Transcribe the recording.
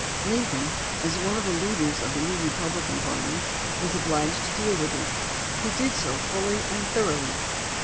Lincoln, as one of the leaders of the new Republican party, was obliged to deal with it. He did so fully and thoroughly.